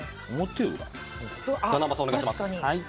難波さん、お願いします。